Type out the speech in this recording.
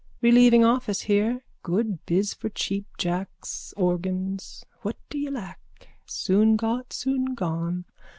Relieving office here. Good biz for cheapjacks, organs. What do ye lack? Soon got, soon gone.